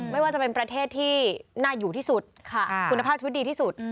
ไม่ว่าจะเป็นประเทศที่น่าอยู่ที่สุดคุณภาพชีวิตดีที่สุด